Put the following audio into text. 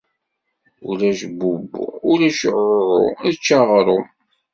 Ulac bubu, ulac ɛuɛɛu, ečč aɣrum